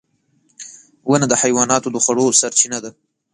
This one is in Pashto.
• ونه د حیواناتو د خوړو سرچینه ده.